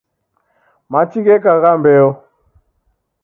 Machi gheka gha mbeo